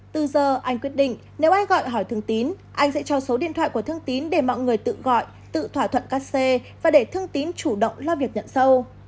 từ giờ anh quyết định nếu ai gọi hỏi thường tín anh sẽ cho số điện thoại của thương tín để mọi người tự gọi tự thỏa thuận kc và để thương tín chủ động lo việc nhận sâu